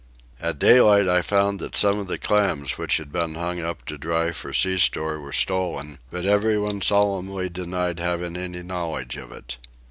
At daylight I found that some of the clams which had been hung up to dry for sea store were stolen; but everyone solemnly denied having any knowledge of it.